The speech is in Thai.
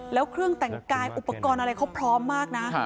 แล้วเครื่องแต่งกายอุปกรณ์อะไรเขาพร้อมมากนะ